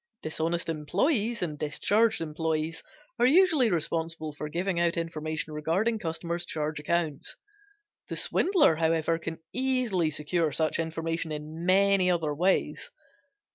Dishonest employes and discharged employes are usually responsible for giving out information regarding customers' charge accounts. The swindler, however, can easily secure such information in many other ways.